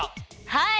はい！